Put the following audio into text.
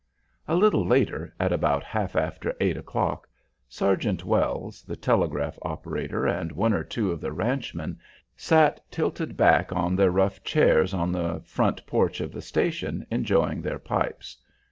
A little later at about half after eight o'clock Sergeant Wells, the telegraph operator, and one or two of the ranchmen sat tilted back in their rough chairs on the front porch of the station enjoying their pipes.